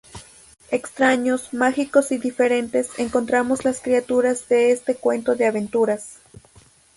Extraños, mágicos y diferentes, encontramos las criaturas de este cuento de aventuras.